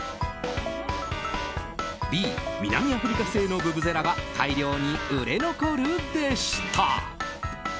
Ｂ、南アフリカ製のブブゼラが大量に売れ残る、でした！